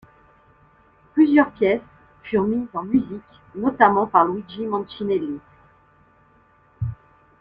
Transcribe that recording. Plusieurs pièces furent mises en musique, notamment par Luigi Mancinelli.